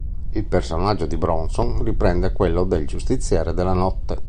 Il personaggio di Bronson riprende quello del giustiziere della notte.